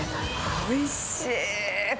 おいしい！